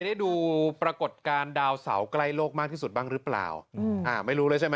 ได้ดูปรากฏการณ์ดาวเสาใกล้โลกมากที่สุดบ้างหรือเปล่าอืมอ่าไม่รู้เลยใช่ไหม